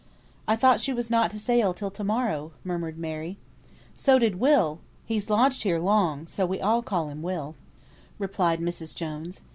"I thought she was not to sail till to morrow," murmured Mary. "So did Will (he's lodged here long, so we all call him 'Will')," replied Mrs. Jones.